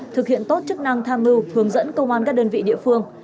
thực hiện tốt chức năng tham mưu hướng dẫn công an các đơn vị địa phương